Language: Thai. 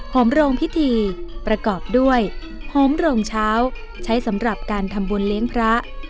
มโรงพิธีประกอบด้วยหอมโรงเช้าใช้สำหรับการทำบุญเลี้ยงพระ